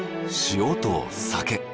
塩と酒。